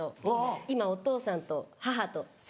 今お父さんと母と３人で。